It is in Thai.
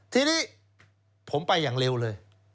ทีนี้ผมไปอย่างเร็วเลย